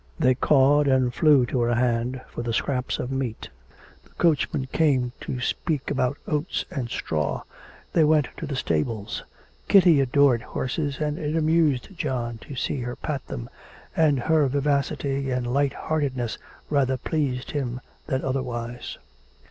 They cawed, and flew to her hand for the scraps of meat. The coachman came to speak about oats and straw. They went to the stables. Kitty adored horses, and it amused John to see her pat them, and her vivacity and light heartedness rather pleased him than otherwise.